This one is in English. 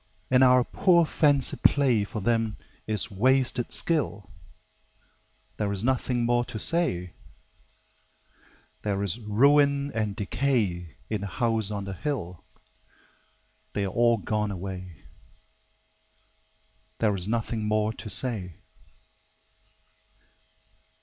And our poor fancy play For them is wasted skill: There is nothing more to say. There is ruin and decay In the House on the Hill They are all gone away, There is nothing more to say.